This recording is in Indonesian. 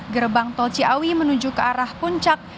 gerbang tol ciawi menuju ke arah puncak